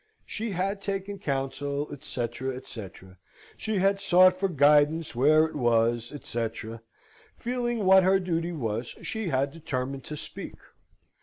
She had taken counsel, etc. etc. She had sought for guidance where it was, etc. Feeling what her duty was, she had determined to speak.